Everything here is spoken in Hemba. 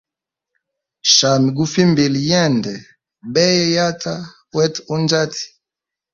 Shami gufimbile yende beyayata wetu unjati.